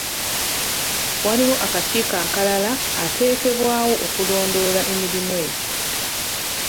Waliwo akakiiko akalala ateekebwawo okulondoola emirimu egyo.